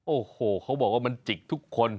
โอ้โหเขาบอกว่ามันจิกทุกคน